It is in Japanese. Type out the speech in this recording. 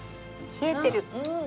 冷えてる。